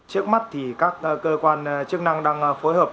trước mắt thì các cơ quan chức năng đang phối hợp